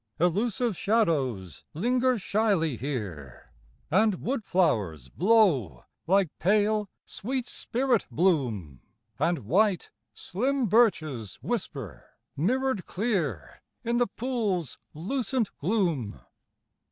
Elusive shadows linger shyly here, And wood flowers blow, like pale, sweet spirit bloom, And white, slim birches whisper, mirrored clear In the pool's lucent gloom.